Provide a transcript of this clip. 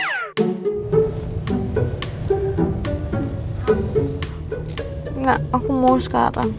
enggak aku mau sekarang